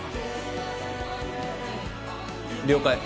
了解。